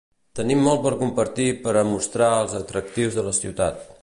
Tenim molt per compartir per a mostrar els atractius de la ciutat.